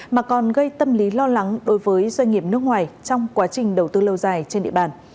mà còn gây tâm lý lo lắng đối với doanh nghiệp nước ngoài trong quá trình đầu tư lâu dài trên địa bàn